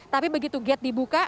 tapi begitu gate dibuka